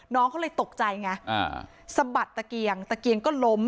น้องเขาเลยตกใจไงอ่าสะบัดตะเกียงตะเกียงก็ล้ม